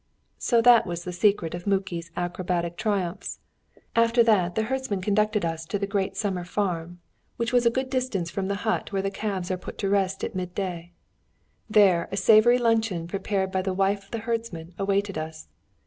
So that was the secret of Muki's acrobatic triumphs. After that, the herdsman conducted us to the great summer farm, which was a good distance from the hut where the calves are put to rest at midday. There, a savoury luncheon, prepared by the wife of the herdsman, awaited us.